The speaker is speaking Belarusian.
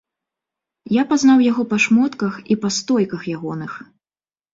Я пазнаў яго па шмотках і па стойках ягоных.